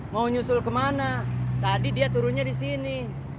mau nyusul kemana tadi dia turunnya disini